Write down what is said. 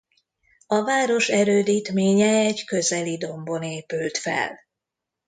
A város erődítménye egy közeli dombon épült fel.